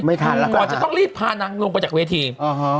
ไม่ทันแล้วก็ค่ะก่อนจะต้องรีบพานังลงไปจากเวทีอ๋อฮะ